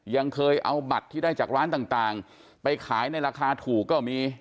ยังเคยเอาบัตรที่ได้จากร้านต่างไปขายในราคาถูกก็มี